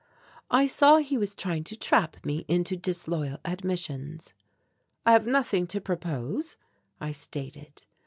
I saw he was trying to trap me into disloyal admissions. "I have nothing to propose," I stated.